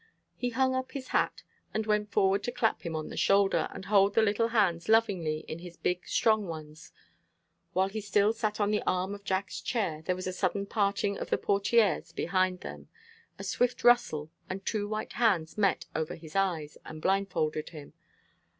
He hung up his hat, and went forward to clap him on the shoulder and hold the little hands lovingly in his big, strong ones. While he still sat on the arm of Jack's chair, there was a sudden parting of the portieres behind them, a swift rustle, and two white hands met over his eyes and blindfolded him.